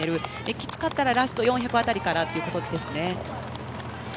きつかったらラスト４００辺りからということですね。